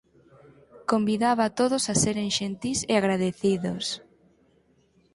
Convidaba a todos a seren xentís e agradecidos.